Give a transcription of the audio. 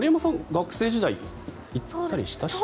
学生時代行ったりしました？